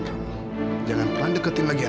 kau punya apa pak geven keipper